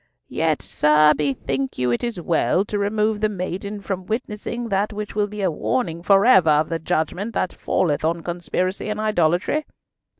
Yet, sir, bethink you is it well to remove the maiden from witnessing that which will be a warning for ever of the judgment that falleth on conspiracy and idolatry?"